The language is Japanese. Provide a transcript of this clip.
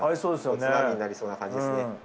おつまみになりそうな感じですね。